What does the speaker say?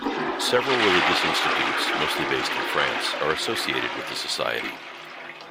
Several religious institutes, mostly based in France, are associated with the Society.